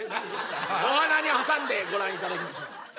お鼻に挟んでご覧いただきます。